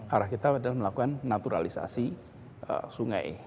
arah kita adalah melakukan naturalisasi sungai